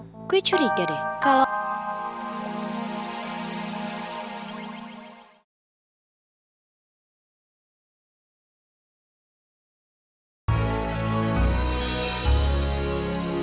gue curiga deh kalau